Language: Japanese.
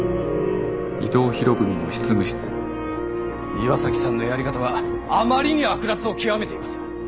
岩崎さんのやり方はあまりに悪辣を極めています。